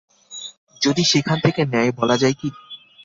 যদি সেখান থেকে নেয় বলা যায় কি?